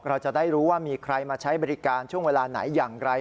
เราจะได้รู้ว่ามีใครมาใช้บริการช่วงเวลาไหนอย่างไร